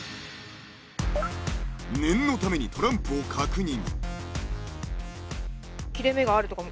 ［念のためにトランプを確認］